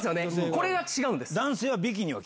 これが違うんです。